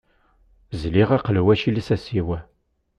Zliɣ aqelwac i lsas-iw.